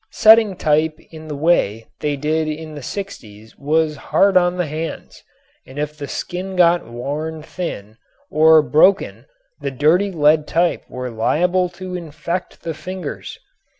Setting type in the way they did it in the sixties was hard on the hands. And if the skin got worn thin or broken the dirty lead type were liable to infect the fingers.